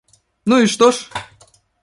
Ну, и что ж!